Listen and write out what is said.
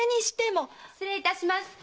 ・失礼いたします。